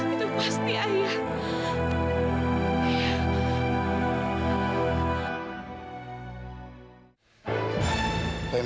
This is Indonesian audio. itu pasti ayah